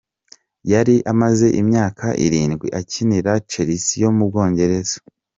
Yari amaze imyaka irindwi akinira Chelsea yo mu Bwongereza.